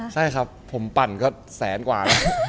ใช่ครับผมปั่นก็แสนกว่าแล้ว